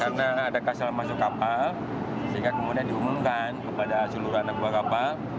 karena ada kasal masuk kapal sehingga kemudian diumumkan kepada seluruh anak buah kapal